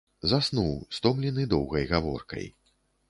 Заснуў, стомлены доўгай гаворкай.